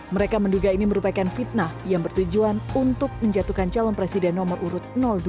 mereka menduga ini merupakan fitnah yang bertujuan untuk menjatuhkan calon presiden nomor urut dua